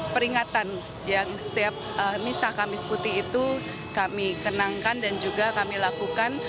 peringatan yang setiap misah kamis putih itu kami kenangkan dan juga kami lakukan